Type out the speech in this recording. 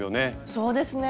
そうですね。